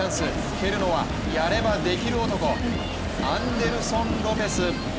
蹴るのは、やればできる男アンデルソン・ロペス。